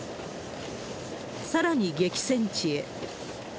さらに激戦地へ。